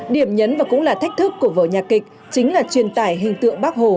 điểm nhấn và cũng là thách thức của vở nhạc kịch chính là truyền tải hình tượng bác hồ